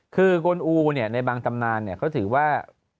คือกลอูในบางตำนานเขาถือว่า